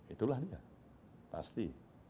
itulah dia pasti